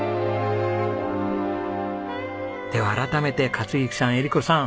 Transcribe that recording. では改めて克幸さん絵理子さん